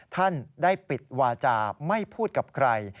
ท่านได้ปิดวาจาไม่พูดกับใคร